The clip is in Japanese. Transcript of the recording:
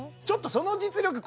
ちょっとその実力